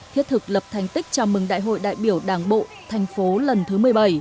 thiết thực lập thành tích chào mừng đại hội đại biểu đảng bộ thành phố lần thứ một mươi bảy